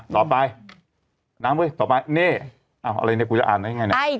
ต่อไปน้ำเว้ยต่อไปเน่อะไรเนี่ยกูจะอ่านไง